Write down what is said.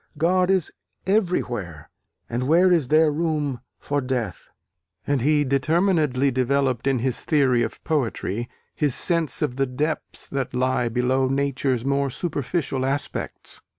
God is everywhere, and where is there room for death? And he determinedly developed in his theory of poetry, his sense of the depths that lie below nature's more superficial aspects.